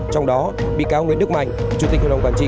trong đó bị cáo nguyễn đức mạnh chủ tịch hội đồng quản trị